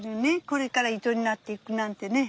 これから糸になっていくなんてね。